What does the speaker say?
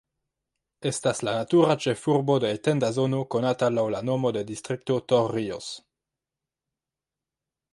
Estas la natura ĉefurbo de etenda zono konata laŭ la nomo de Distrikto Torrijos.